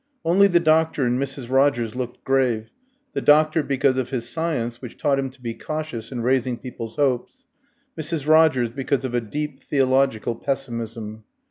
Only the doctor and Mrs. Rogers looked grave, the doctor because of his science, which taught him to be cautious in raising people's hopes; Mrs. Rogers, because of a deep theological pessimism.